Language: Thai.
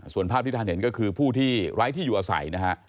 ส่วนภาพที่ท่านเห็นก็คือผู้ที่ไร้ที่อยู่อาศัยนะฮะ